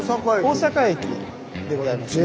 大阪駅でございますね。